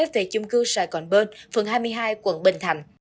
về chung cư saigon burn phường hai mươi hai quận bình thành